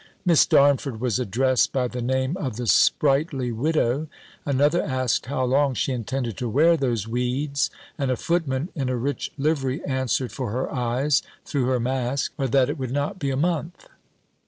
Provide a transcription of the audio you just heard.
Miss Darnford was addressed by the name of the Sprightly Widow: another asked, how long she intended to wear those weeds? And a footman, in a rich livery, answered for her eyes, through her mask, that it would not be a month.